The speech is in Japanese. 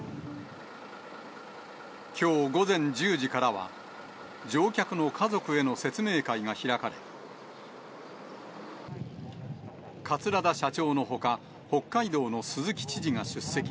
きょう午前１０時からは、乗客の家族への説明会が開かれ、桂田社長のほか、北海道の鈴木知事が出席。